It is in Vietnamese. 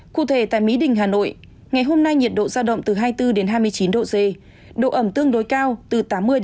cụ thể tại mỹ đình hà nội ngày hôm nay nhiệt độ giao động từ hai mươi bốn hai mươi chín độ c độ ẩm tương đối cao từ tám mươi ba mươi